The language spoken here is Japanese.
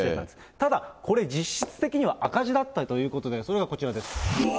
ただ、これ、実質的には赤字だったよということで、それがこちらです。